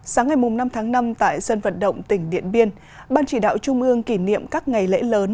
sáng ngày năm tháng năm tại sân vận động tỉnh điện biên ban chỉ đạo trung ương kỷ niệm các ngày lễ lớn